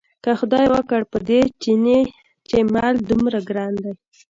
که خدای وکړ په دې چیني چې مال دومره ګران دی.